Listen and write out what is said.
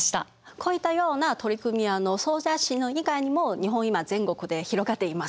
こういったような取り組みは総社市以外にも日本今全国で広がっています。